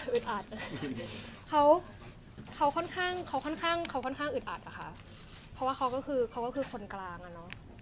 อืดอัดเขาค่อนข้างอึดอัดอะค่ะเพราะว่าเขาก็คือคนกลางอะเนาะ